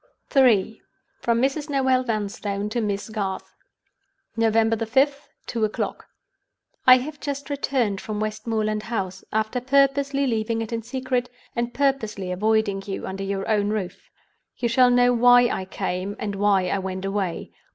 III. From Mrs. Noel Vanstone to Miss Garth. "November 5th, Two o'clock. "I have just returned from Westmoreland House—after purposely leaving it in secret, and purposely avoiding you under your own roof. You shall know why I came, and why I went away.